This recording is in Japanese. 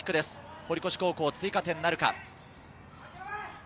堀越高校、追加点なるか。